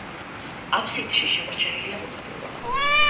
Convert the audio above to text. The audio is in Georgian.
აბსიდში შემორჩენილია მოხატულობა.